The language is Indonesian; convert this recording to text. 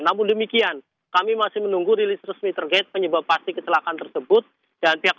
namun demikian kami masih menunggu rilis resmi terkait penyebab pasti kecelakaan tersebut dan pihak